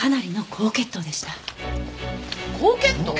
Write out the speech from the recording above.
高血糖？